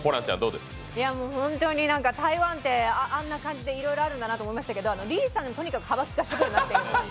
本当になんか台湾ってあんな感じでいろいろあるんだなと思いましたけど李さんがとにかく幅きかせてくるなと。